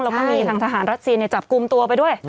แล้วก็มีทางทหารรัสเซียจับกลุ่มตัวไปด้วย